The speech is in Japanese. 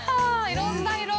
いろんな色。